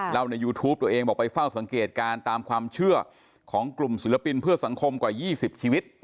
ในยูทูปตัวเองบอกไปเฝ้าสังเกตการณ์ตามความเชื่อของกลุ่มศิลปินเพื่อสังคมกว่า๒๐ชีวิต